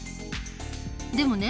でもね